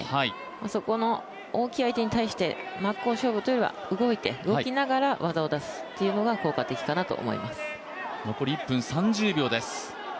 そこの大きい相手に対して真っ向勝負というよりは動いて、動きながら技を出すのが効果的かなと思います。